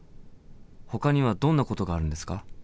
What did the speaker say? ほかにはどんなことがあるんですか？